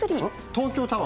東京。